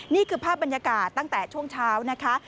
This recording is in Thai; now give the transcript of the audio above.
นี่คือภาพบรรยากาศตั้งแต่ช่วงเช้านะคะ